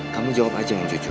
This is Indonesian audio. kamu jawab aja yang jujur